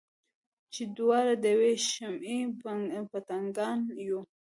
چې دواړه د یوې شمعې پتنګان یو.